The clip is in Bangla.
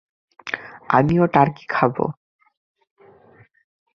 আমি টার্কি খাব।